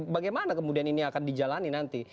bagaimana kemudian ini akan dijalani nanti